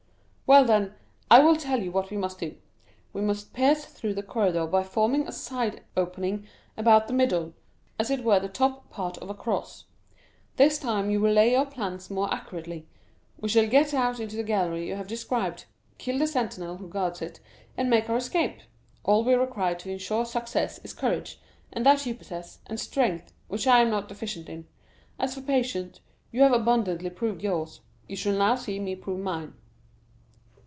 "Well, then, I will tell you what we must do. We must pierce through the corridor by forming a side opening about the middle, as it were the top part of a cross. This time you will lay your plans more accurately; we shall get out into the gallery you have described; kill the sentinel who guards it, and make our escape. All we require to insure success is courage, and that you possess, and strength, which I am not deficient in; as for patience, you have abundantly proved yours—you shall now see me prove mine."